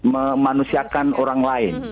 memanusiakan orang lain